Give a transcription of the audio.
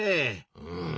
うん。